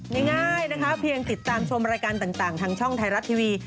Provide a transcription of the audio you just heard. ง่ายนะคะเพียงติดตามชมรายการต่างทางช่องไทยรัฐทีวี